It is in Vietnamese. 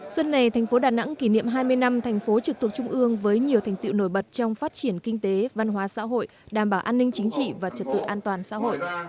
xuân này thành phố đà nẵng kỷ niệm hai mươi năm thành phố trực thuộc trung ương với nhiều thành tiệu nổi bật trong phát triển kinh tế văn hóa xã hội đảm bảo an ninh chính trị và trật tự an toàn xã hội